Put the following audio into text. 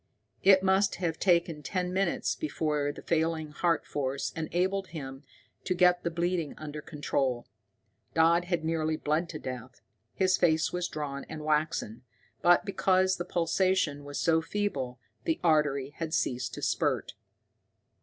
It must have taken ten minutes before the failing heart force enabled him to get the bleeding under control. Dodd had nearly bled to death, his face was drawn and waxen, but, because the pulsation was so feeble, the artery had ceased to spurt.